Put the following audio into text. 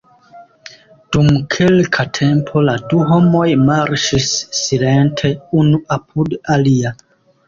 Dum kelka tempo la du homoj marŝis silente unu apud alia.